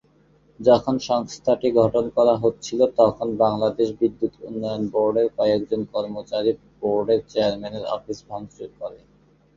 যখন সংস্থাটি গঠন করা হচ্ছিল তখন বাংলাদেশ বিদ্যুৎ উন্নয়ন বোর্ডের কয়েকজন কর্মচারী বোর্ডের চেয়ারম্যানের অফিস ভাংচুর করে।